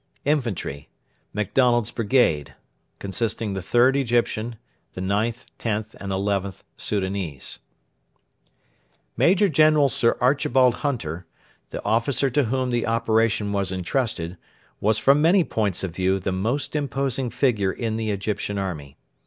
] Infantry....... MACDONALD'S BRIGADE 3rd Egyptian IXth Soudanese Xth " XIth " Major General Sir Archibald Hunter, the officer to whom the operation was entrusted, was from many points of view the most imposing figure in the Egyptian army.